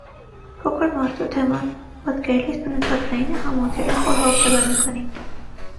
«Փոքր մարդու» թեման պատկերելիս բնութագրայինը համադրել է խոր հոգեբանականին։